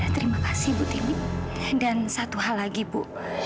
terima kasih bu tiwi dan satu hal lagi bu